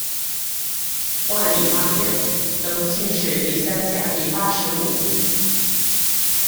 万历八年，登进士第三甲第八十五名。